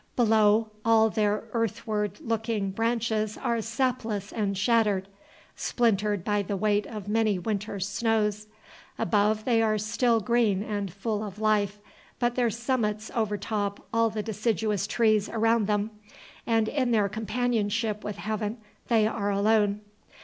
Below, all their earthward looking branches are sapless and shattered, splintered by the weight of many winters' snows; above, they are still green and full of life, but their summits overtop all the deciduous trees around them, and in their companionship with heaven they are alone.